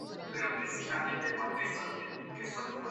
A petición de la Sra.